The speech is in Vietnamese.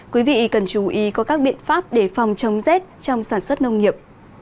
quý vị cần chú ý có các biện pháp để phòng chống rét trong sản xuất nông nghiệp